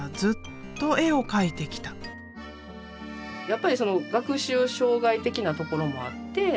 やっぱりその学習障害的なところもあって。